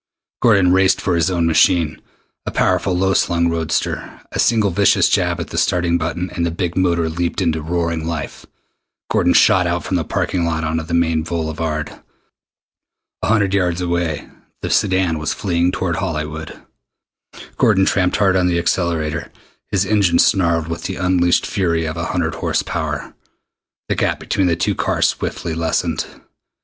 Gordon raced for his own machine, a powerful low slung roadster. A single vicious jab at the starting button, and the big motor leaped into roaring life. Gordon shot out from the parking lot onto the main boulevard. A hundred yards away the sedan was fleeing toward Hollywood. Gordon tramped hard on the accelerator. His engine snarled with the unleashed fury of a hundred horsepower. The gap between the two cars swiftly lessened.